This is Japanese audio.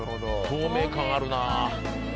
透明感あるなぁ。